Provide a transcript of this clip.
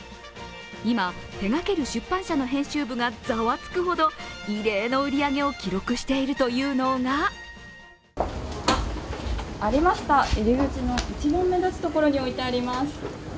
今、手がける出版社の編集部がざわつくほど、異例の売り上げを記録しているというのがありました、入り口の一番目立つところに置いてあります。